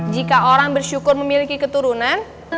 jika orang bersyukur memiliki keturunan